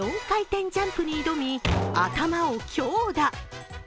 ４回転ジャンプに挑み頭を強打。